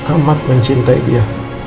amat mencintai dia